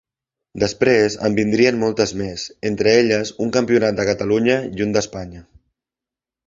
Després en vindrien moltes més, entre elles un campionat de Catalunya i un d’Espanya.